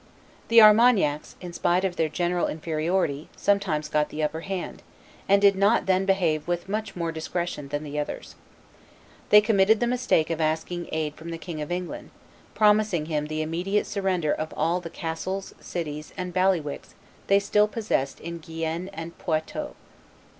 The Armagnacs, in spite of their general inferiority, sometimes got the upper hand, and did not then behave with much more discretion than the others. They committed the mistake of asking aid from the King of England, "promising him the immediate surrender of all the cities, castles, and bailiwicks they still possessed in Guienne and Poitou."